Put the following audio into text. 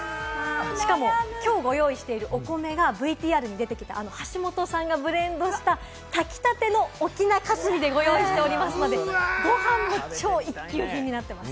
しかも、きょうご用意しているお米がＶＴＲに出てきた橋本さんがブレンドした、炊きたての翁霞でご用意しておりますので、ごはんも超一級品です。